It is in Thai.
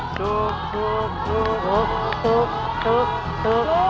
ถูก